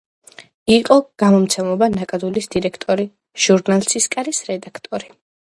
იყო გამომცემლობა „ნაკადულის“ დირექტორი, ჟურნალ „ცისკრის“ რედაქტორი.